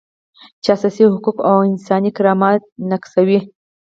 چې اساسي حقوق او انساني کرامت نقضوي.